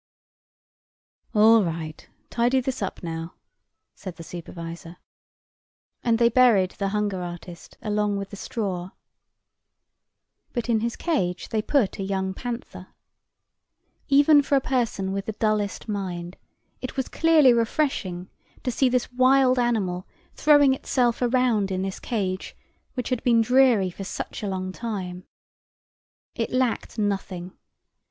"All right, tidy this up now," said the supervisor. And they buried the hunger artist along with the straw. But in his cage they put a young panther. Even for a person with the dullest mind it was clearly refreshing to see this wild animal throwing itself around in this cage, which had been dreary for such a long time. It lacked nothing.